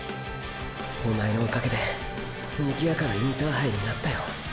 おまえのおかげでにぎやかなインターハイになったよ